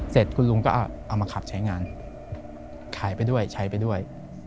เสร็จคุณลุงก็เอามาขับใช้งานขายไปด้วยใช้ไปด้วย